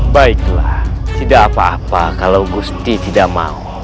baiklah tidak apa apa kalau gusti tidak mau